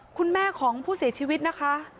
คุณแม่ของผู้เสียชีวิตนะคะ